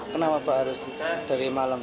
kenapa pak harus dari malam